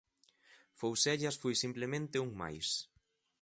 Foucellas foi simplemente un máis.